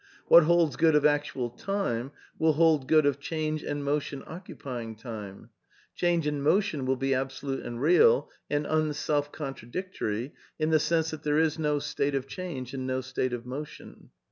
| What holds good of actual time will hold good of change and motion occupying time; change and motion will be absolute and real, and unselfcontradictory, in the sense that there is no state of change, and no state of motion.